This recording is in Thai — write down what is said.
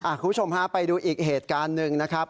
คุณผู้ชมฮะไปดูอีกเหตุการณ์หนึ่งนะครับ